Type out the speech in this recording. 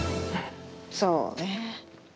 そうね。